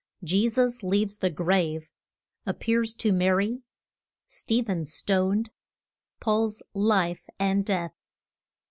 JESUS LEAVES THE GRAVE. APPEARS TO MARY. STEPHEN STONED. PAUL'S LIFE, AND DEATH.